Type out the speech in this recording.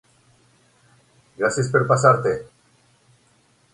Gràcies per passar-te.